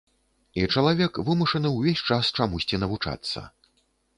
І чалавек вымушаны ўвесь час чамусьці навучацца.